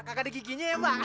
kakak ada giginya ya mbak